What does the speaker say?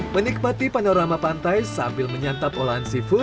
menikmati panorama pantai sambil menyantap olahan seafood